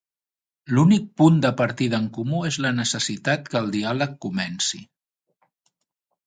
L'únic punt de partida en comú és la necessitat que el diàleg comenci.